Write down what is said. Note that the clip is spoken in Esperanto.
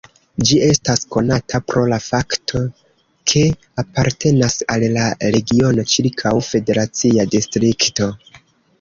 Ĝi estas konata pro la fakto, ke apartenas al la regiono ĉirkaŭ Federacia Distrikto.